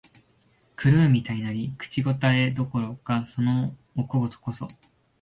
狂うみたいになり、口応えどころか、そのお小言こそ、